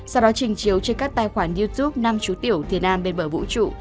sau đó trình chiếu trên các tài khoản youtube năm chú tiểu tiền nam bên bờ vũ trụ